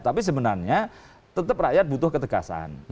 tapi sebenarnya tetap rakyat butuh ketegasan